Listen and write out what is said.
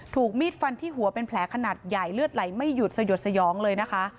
ถูกมีดฟันที่หัวเป็นแผลขนาดใหญ่เลือดไหลไม่หยุดสยดสยองเลยนะคะ